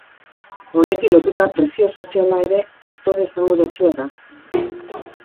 Honekin lotuta presio soziala ere faktore esanguratsua da.